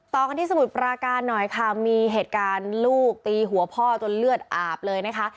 ต่อกันที่สมุทรปราการหน่อยค่ะมีเหตุการณ์ลูกตีหัวพ่อจนเลือดอาบเลยนะคะ